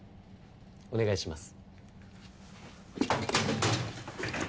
お願いします。